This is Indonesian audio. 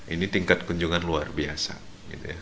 ini tingkat kunjungan luar biasa gitu ya